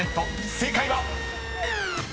［正解は⁉］